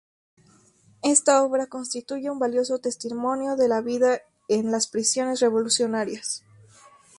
Esta obra constituye un valioso testimonio de la vida en las prisiones revolucionarias.